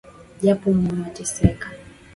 Japo moyo wateseka